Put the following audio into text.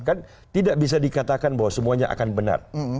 kan tidak bisa dikatakan bahwa semuanya akan benar